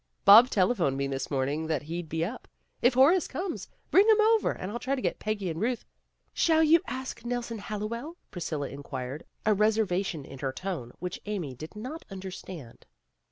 "Bob telephoned me this morning that he'd be up. If Horace comes, bring him over and I'll try to get Peggy and Euth "" Shall you ask Nelson Hallowell?" Priscilla inquired, a reservation in her tone which Amy did not understand.